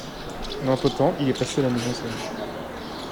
Mais entre temps, il est passé à la mise en scène.